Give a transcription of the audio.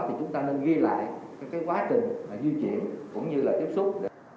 thì chúng ta nên ghi lại các quá trình di chuyển cũng như là tiếp xúc